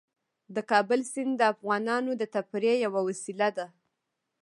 د کابل سیند د افغانانو د تفریح یوه وسیله ده.